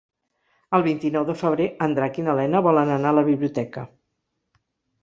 El vint-i-nou de febrer en Drac i na Lena volen anar a la biblioteca.